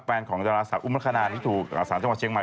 แฟนของจราศาสตร์อุมารคาณาฤทธิ์ถูกอาสารจังหวัดเชียงใหม่